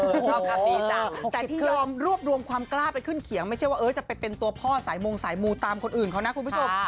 ชอบครับดีจ้ะแต่ที่ยอมรวบรวมความกล้าไปขึ้นเขียงไม่ใช่ว่าจะไปเป็นตัวพ่อสายมงสายมูตามคนอื่นเขานะคุณผู้ชม